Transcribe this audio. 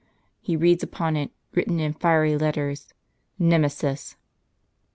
He reads upon it, written in fiery letters, JSTemesis.